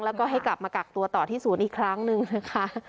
แล้วก็ให้กลับมากักตัวต่อที่ศูนย์อีกครั้งหนึ่งนะคะ